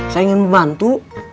saya ingin membantu